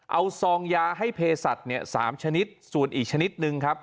เอาซองยาให้เพศัตริย์เนี่ย๓ชนิดส่วนอีกชนิดนึงครับ